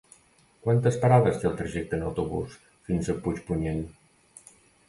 Quantes parades té el trajecte en autobús fins a Puigpunyent?